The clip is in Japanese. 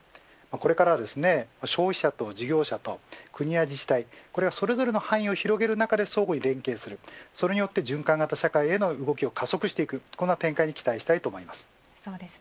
これからは消費者と事業者国や自治体それぞれの範囲を広げる中で相互に連携していく循環型社会への動きを加速させるこんな展開に期待したいです。